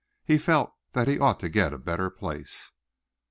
He felt that he ought to get a better place.